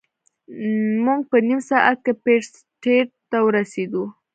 موږ په نیم ساعت کې پیټ سټریټ ته ورسیدو.